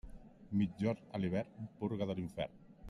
Migjorn a l'hivern, purga de l'infern.